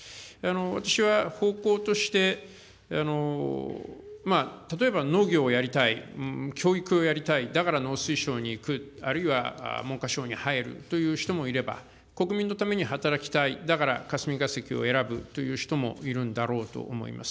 私は方向として、例えば、農業をやりたい、教育をやりたい、だから農水省に行く、あるいは文科省に入るという人もいれば、国民のために働きたい、だから、霞が関を選ぶという人もいるんだろうと思います。